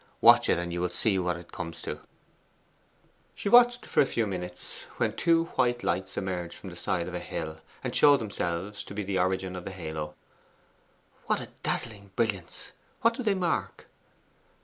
Watch it, and you will see what it comes to.' She watched for a few minutes, when two white lights emerged from the side of a hill, and showed themselves to be the origin of the halo. 'What a dazzling brilliance! What do they mark?